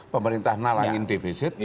pemerintah nalangin defisit